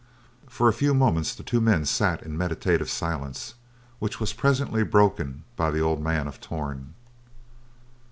For a few moments, the two men sat in meditative silence, which was presently broken by the old man of Torn.